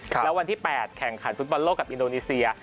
แล้ววันที่๘แข่งขันฟุตบอลโลกกับอินโดนีเซีย